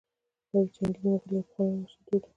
دا د چنګېزي مغولو یو پخوانی او وحشي دود و.